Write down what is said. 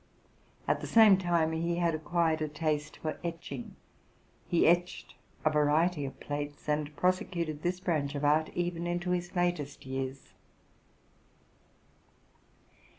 At the same time he had acquired a taste for etching: he etched a variety of plates, and prosecuted this branch of art even into his latest years.